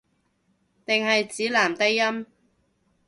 定係指男低音